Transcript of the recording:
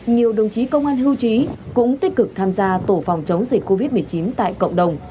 nhiều đồng chí công an hưu trí cũng tích cực tham gia tổ phòng chống dịch covid một mươi chín tại cộng đồng